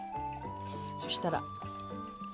そしたら。